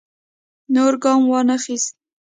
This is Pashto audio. نور ګام وانه خیست.